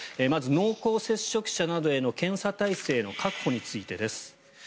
まず、濃厚接触者などへの検査体制の確保についてです。